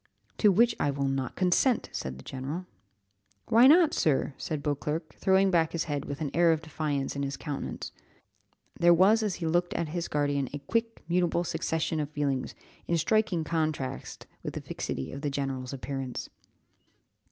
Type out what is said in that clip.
"To which I will not consent," said the general. "Why not, sir?" said Beauclerc, throwing back his head with an air of defiance in his countenance; there was as he looked at his guardian a quick, mutable succession of feelings, in striking contrast with the fixity of the general's appearance.